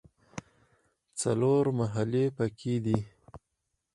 څلور محلې په کې دي.